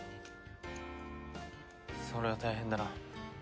それは大変だな。